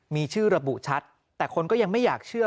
มีชื่อระบุชัดแต่คนก็ยังไม่อยากเชื่อ